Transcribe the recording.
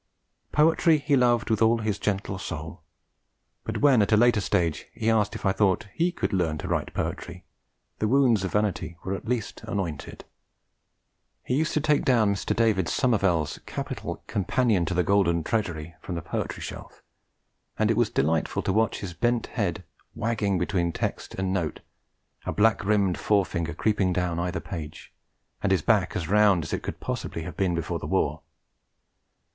Poetry he loved with all his gentle soul; but when, at a later stage, he asked if I thought he could 'learn to write poetry,' the wounds of vanity were at least anointed. He used to take down Mr. David Somervell's capital Companion to the Golden Treasury from the Poetry Shelf; and it was delightful to watch his bent head wagging between text and note, a black rimmed forefinger creeping down either page, and his back as round as it could possibly have been before the war.